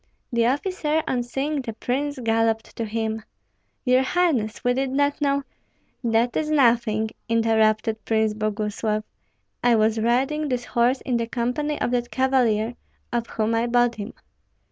The officer, on seeing the prince, galloped to him, "Your highness, we did not know " "That is nothing!" interrupted Prince Boguslav. "I was riding this horse in the company of that cavalier, of whom I bought him."